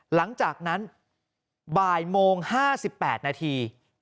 หลังจากนั้นบ่ายโมง๕๘นาที